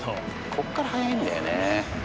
こっから速いんだよね。